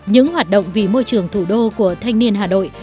những hoạt động vì môi trường thủ đô của thanh niên hà nội